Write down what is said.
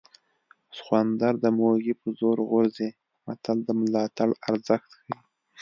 سخوندر د موږي په زور غورځي متل د ملاتړ ارزښت ښيي